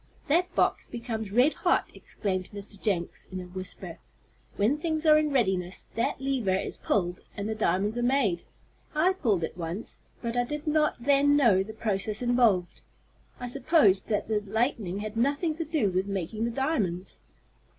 "That box becomes red hot," exclaimed Mr. Jenks, in a whisper. "When things are in readiness, that lever is pulled and the diamonds are made. I pulled it once, but I did not then know the process involved. I supposed that the lightning had nothing to do with making the diamonds."